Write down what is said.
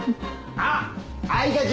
あっ。